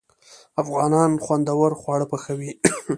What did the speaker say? افغانان خوندور خواړه پخوي.